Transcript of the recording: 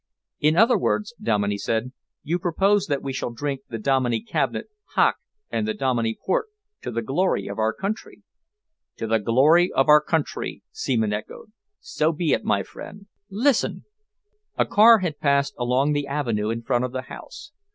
"In other words," Dominey said, "you propose that we shall drink the Dominey cabinet hock and the Dominey port to the glory of our country." "To the glory of our country," Seaman echoed. "So be it, my friend. Listen." A car had passed along the avenue in front of the house.